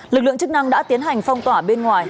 lực lượng chức năng đã tiến hành phong tỏa bên ngoài